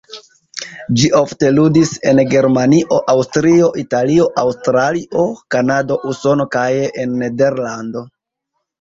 Ŝi ofte ludis en Germanio, Aŭstrio, Italio, Aŭstralio, Kanado, Usono kaj en Nederlando.